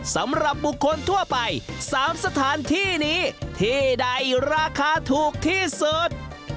สำหรับบุคคลทั่วไป๓สถานที่นี้ที่ใดราคาถูกที่สุด